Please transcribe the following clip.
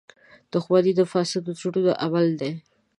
• دښمني د فاسدو زړونو عمل دی.